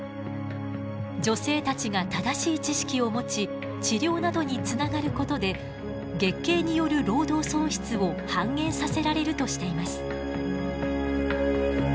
女性たちが正しい知識を持ち治療などにつながることで月経による労働損失を半減させられるとしています。